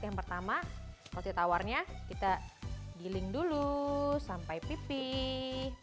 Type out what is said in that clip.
yang pertama roti tawarnya kita giling dulu sampai pipih